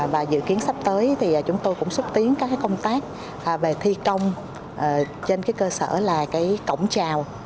và dự kiến sắp tới thì chúng tôi cũng xúc tiến các công tác về thi công trên cơ sở là cổng trào